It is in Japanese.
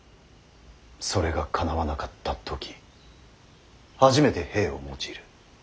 それがかなわなかった時初めて兵を用いる。